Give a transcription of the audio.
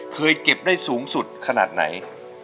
เก็บได้สูงสุดขนาดไหน